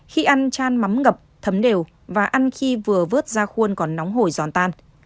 khi ăn chan mắm ngập thấm đều và ăn khi vừa vớt ra khuôn còn nóng hồi giòn tan